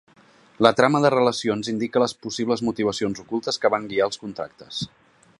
La trama de relacions indica les possibles motivacions ocultes que van guiar els contractes.